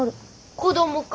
子供か。